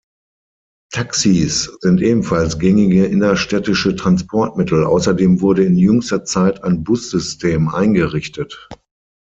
Taxis sind ebenfalls gängige innerstädtische Transportmittel, außerdem wurde in jüngster Zeit ein Bussystem eingerichtet.